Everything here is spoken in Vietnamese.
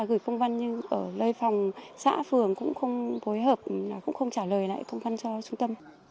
có trả gửi công văn nhưng ở lây phòng xã phường cũng không bối hợp cũng không trả lời lại công văn cho trung tâm